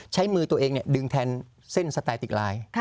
ใช้มือตัวเองดึงแทนเส้นสไตติกลาย